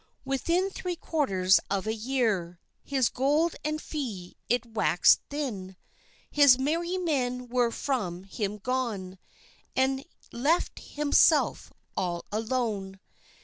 Within three quarters of a yeare His gold and fee it waxed thinne, His merry men were from him gone, And left himselfe all alone.